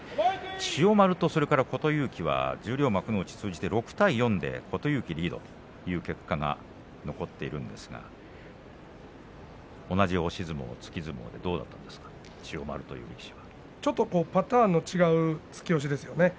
千代丸と琴勇輝は十両幕内通じて６対４で琴勇輝リードという結果が残っているんですが同じ押し相撲、突き相撲でどうだったんでしょうかちょっとパターンの違う突き押しですよね